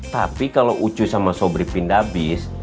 tapi kalau ucuy sama sobrinya pindah bis